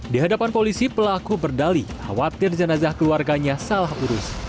di hadapan polisi pelaku berdali khawatir jenazah keluarganya salah urus